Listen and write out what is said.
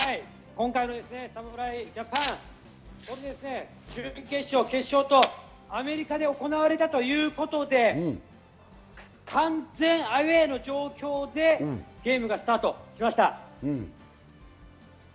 今回の侍ジャパン、準決・勝決勝とアメリカで行われたということで、完全アウェーの状況でゲームがスタートしました。